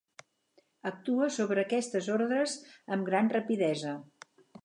Actua sobre aquestes ordres amb gran rapidesa.